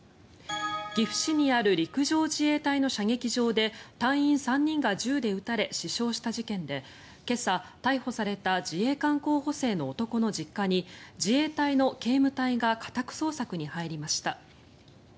岐阜市にある陸上自衛隊の射撃場で隊員３人が銃で撃たれ死傷した事件で今朝、逮捕された自衛官候補生の男の実家に自衛隊の警務隊が家宅捜索に入りました。